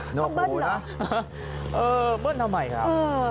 โอ้โฮนักหนาครับเออเบิ้ลทำไมครับ